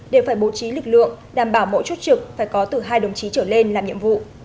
đều phải bố trí lực lượng đảm bảo mỗi chốt trực phải có từ hai đồng chí trở lên làm nhiệm vụ